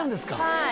はい。